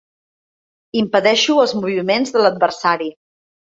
Impedeixo els moviments de l'adversari.